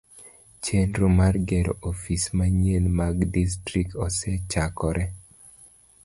Chenro mar gero ofis manyien mag distrikt osechakore.